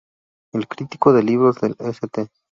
El crítico de libros del "St.